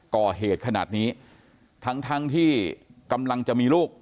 ก่อเหตุขนาดนี้ทั้งทั้งที่กำลังจะมีลูก